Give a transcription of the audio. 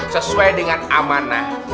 sesuai dengan amanah